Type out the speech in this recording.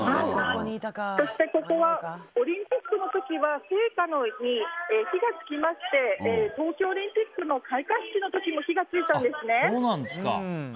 そして、ここはバンクーバーオリンピックでは火が付きまして東京オリンピックの開会式の時も火が付いたんですね。